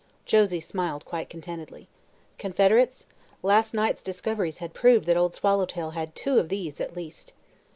Josie smiled quite contentedly. Confederates? Last night's discoveries had proved that Old Swallowtail had two of these, at least.